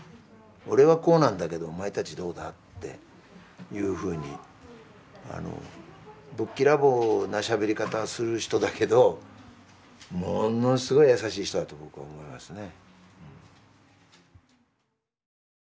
「俺はこうなんだけどお前たちどうだ？」っていうふうにぶっきらぼうなしゃべり方する人だけどものすごい優しい人だと僕は思いますね。